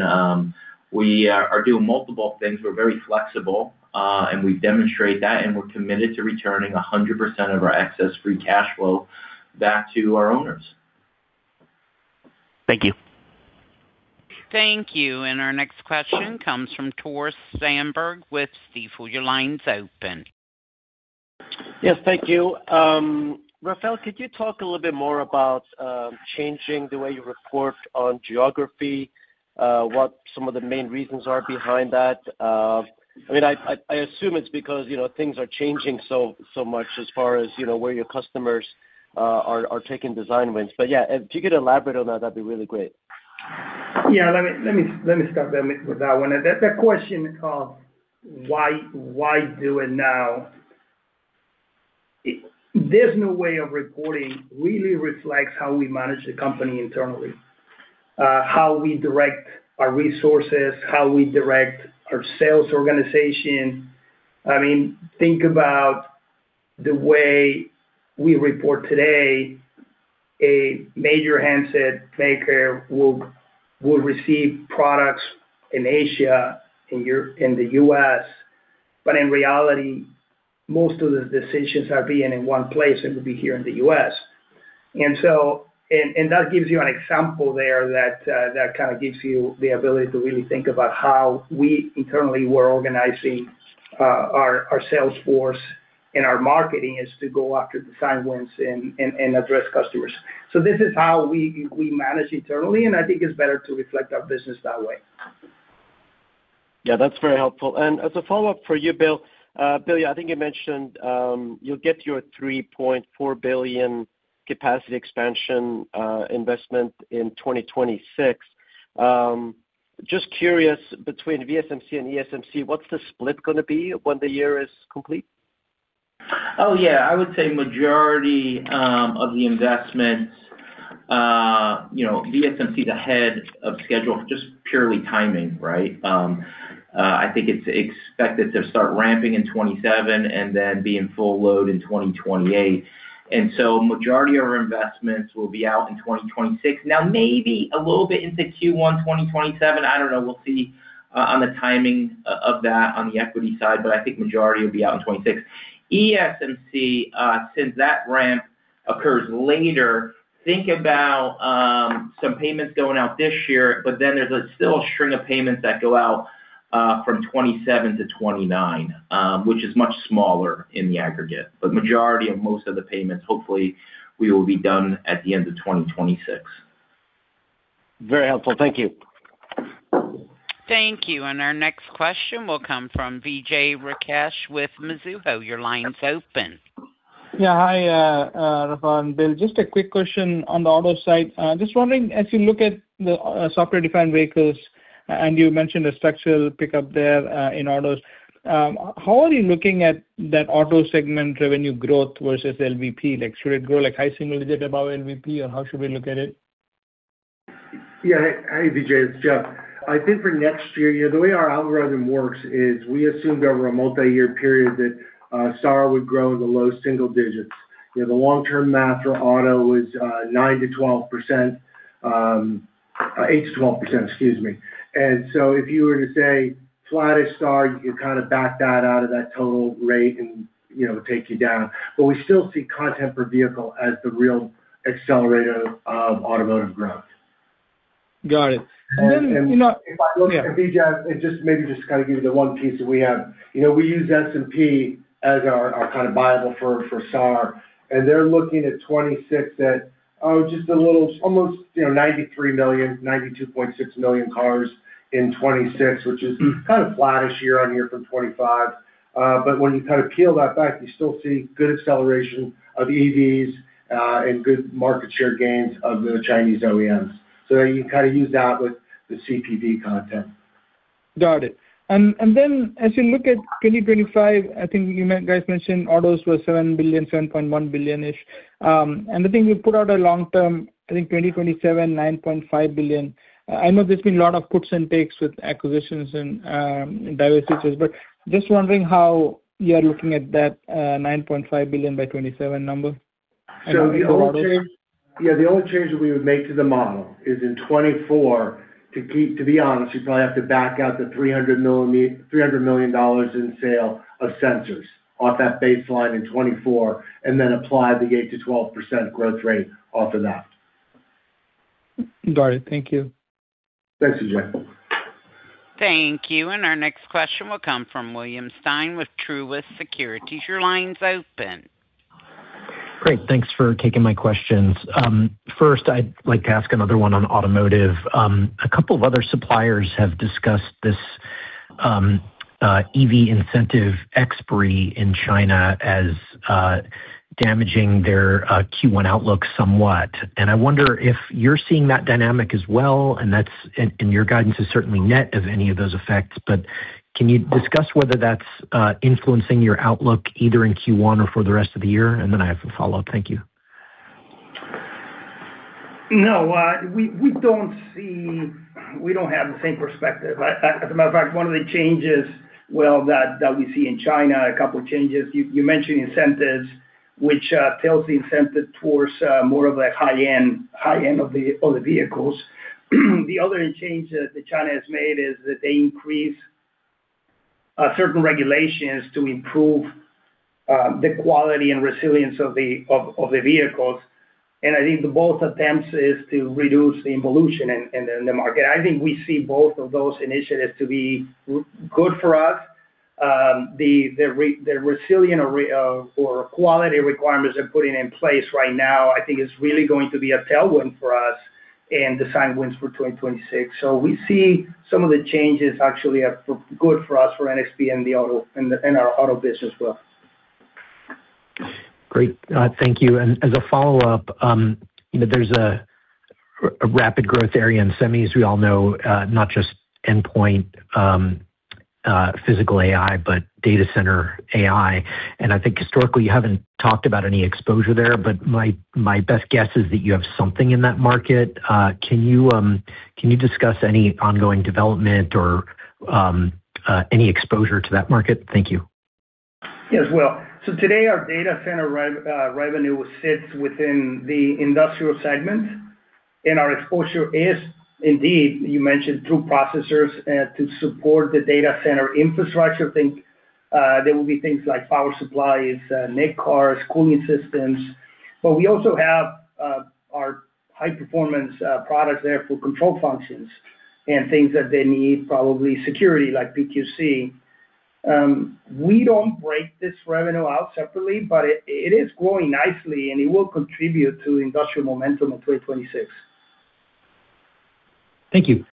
we are doing multiple things, we're very flexible, and we demonstrate that, and we're committed to returning 100% of our excess free cash flow back to our owners. Thank you. Thank you. And our next question comes from Tore Svanberg with Stifel. Your line's open. Yes, thank you. Rafael, could you talk a little bit more about changing the way you report on geography, what some of the main reasons are behind that? I mean, I assume it's because, you know, things are changing so much as far as, you know, where your customers are taking design wins. But, yeah, if you could elaborate on that, that'd be really great. Yeah, let me start then with that one. And that question of why, why do it now? There's no way of reporting really reflects how we manage the company internally, how we direct our resources, how we direct our sales organization. I mean, think about the way we report today, a major handset maker will receive products in Asia, in Europe, in the U.S., but in reality, most of the decisions are made in one place, it will be here in the US. And so, and that gives you an example there that kind of gives you the ability to really think about how we internally we're organizing our sales force and our marketing is to go after design wins and address customers. This is how we manage internally, and I think it's better to reflect our business that way. Yeah, that's very helpful. And as a follow-up for you, Bill, Bill, I think you mentioned you'll get your $3.4 billion capacity expansion investment in 2026. Just curious, between VSMC and ESMC, what's the split gonna be when the year is complete? Oh, yeah, I would say majority of the investments, you know, VSMC is ahead of schedule, just purely timing, right? I think it's expected to start ramping in 2027 and then be in full load in 2028. And so majority of our investments will be out in 2026. Now, maybe a little bit into Q1 2027, I don't know, we'll see on the timing of that on the equity side, but I think majority will be out in 2026. ESMC, since that ramp occurs later, think about some payments going out this year, but then there's a still string of payments that go out from 2027 to 2029, which is much smaller in the aggregate. But majority of most of the payments, hopefully, we will be done at the end of 2026. Very helpful. Thank you. Thank you. And our next question will come from Vijay Rakesh with Mizuho. Your line's open. Yeah, hi, Rafael and Bill. Just a quick question on the auto side. Just wondering, as you look at the software-defined vehicles, and you mentioned a structural pickup there in autos, how are you looking at that auto segment revenue growth versus LVP? Like, should it grow like high single digit above LVP, or how should we look at it? Yeah. Hey, Vijay, it's Jeff. I think for next year, you know, the way our algorithm works is we assumed over a multi-year period that, SAAR would grow in the low single digits. You know, the long-term math for auto was, nine to twelve percent, eight to twelve percent, excuse me. And so if you were to say flattish SAAR, you kind of back that out of that total rate and, you know, take you down. But we still see content per vehicle as the real accelerator of automotive growth. Got it. And then, you know- If I look at LVP, and just maybe kind of give you the one piece that we have. You know, we use S&P as our kind of Bible for SAAR, and they're looking at 2026 at just a little, almost, you know, 93 million, 92.6 million cars in 2026, which is kind of flattish year-on-year from 2025. But when you kind of peel that back, you still see good acceleration of EVs, and good market share gains of the Chinese OEMs. So you kind of use that with the CPV content. Got it. And then as you look at 2025, I think you guys mentioned autos were $7 billion, $7.1 billion-ish. And I think you put out a long term, I think 2027, $9.5 billion. I know there's been a lot of puts and takes with acquisitions and divestitures, but just wondering how you are looking at that $9.5 billion by 2027 number? So the only change, yeah, the only change that we would make to the model is in 2024. To be honest, you probably have to back out the $300 million in sale of sensors off that baseline in 2024, and then apply the 8%-12% growth rate off of that. Got it. Thank you. Thanks, Vijay. Thank you. Our next question will come from William Stein with Truist Securities. Your line's open. Great, thanks for taking my questions. First, I'd like to ask another one on automotive. A couple of other suppliers have discussed this, EV incentive expiry in China as damaging their Q1 outlook somewhat. And I wonder if you're seeing that dynamic as well, and that's, and, and your guidance is certainly net of any of those effects, but can you discuss whether that's influencing your outlook either in Q1 or for the rest of the year? And then I have a follow-up. Thank you. No, we don't see. We don't have the same perspective. As a matter of fact, one of the changes, well, that we see in China, a couple of changes, you mentioned incentives, which tilts the incentive towards more of a high-end of the vehicles. The other change that China has made is that they increase certain regulations to improve the quality and resilience of the vehicles. And I think the both attempts is to reduce the pollution in the market. I think we see both of those initiatives to be good for us. The resilient or quality requirements they're putting in place right now, I think is really going to be a tailwind for us and the headwinds for 2026. So we see some of the changes actually are good for us, for NXP and the auto and our auto biz as well. Great. Thank you. And as a follow-up, you know, there's a rapid growth area in semis, we all know, not just endpoint, physical AI, but data center AI. And I think historically, you haven't talked about any exposure there, but my best guess is that you have something in that market. Can you discuss any ongoing development or any exposure to that market? Thank you. Yes, well, so today, our data center rev, revenue sits within the industrial segment, and our exposure is indeed, you mentioned, through processors, to support the data center infrastructure. I think, there will be things like power supplies, net cars, cooling systems, but we also have, our high-performance, products there for control functions and things that they need, probably security, like PQC. We don't break this revenue out separately, but it, it is growing nicely, and it will contribute to industrial momentum of 2026. Thank you.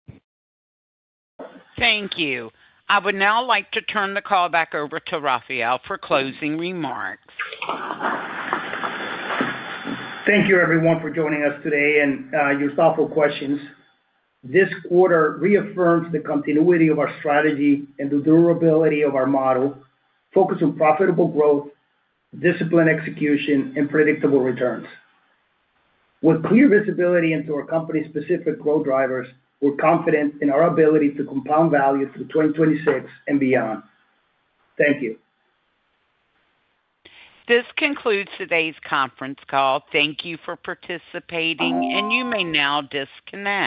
Thank you. I would now like to turn the call back over to Rafael for closing remarks. Thank you, everyone, for joining us today and your thoughtful questions. This quarter reaffirms the continuity of our strategy and the durability of our model, focused on profitable growth, disciplined execution, and predictable returns. With clear visibility into our company's specific growth drivers, we're confident in our ability to compound value through 2026 and beyond. Thank you. This concludes today's conference call. Thank you for participating, and you may now disconnect.